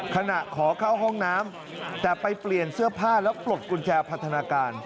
ขอเข้าห้องน้ำแต่ไปเปลี่ยนเสื้อผ้าแล้วปลดกุญแจพัฒนาการ